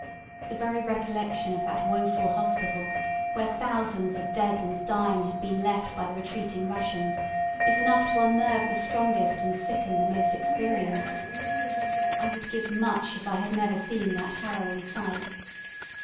The very recollection of that woeful hospital, where thousands of dead and dying had been left by the retreating Russians, is enough to unnerve the strongest and sicken the most experienced. I would give much if I had never seen that harrowing sight.